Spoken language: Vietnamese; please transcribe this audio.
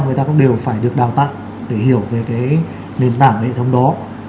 người ta cũng đều phải được đào tạo để hiểu về cái nền tảng hệ thống đó